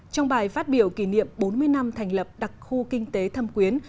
trong bài phát biểu kỷ niệm bốn mươi năm thành lập đặc khu kinh tế thâm quyến